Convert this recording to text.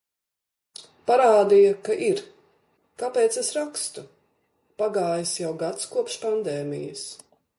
Parādīja, ka ir! Kāpēc es rakstu? Pagājis jau gads kopš pandēmijas.